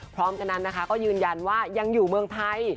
พร้อมกันนั้นนะคะก็ยืนยันว่ายังอยู่เมืองไทย